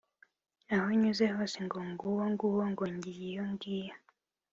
aho nyuze hose ngo nguwo nguwo! ngo ngiyo ! ngiyo !